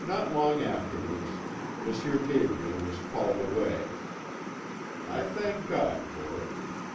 "Not long afterwards, M. Gabriel was called away. I thanked God for it.